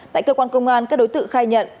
tại cơ quan công an các đối tượng khai nhận